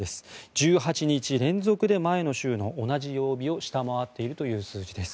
１８日連続で前の週の同じ曜日を下回っているという数字です。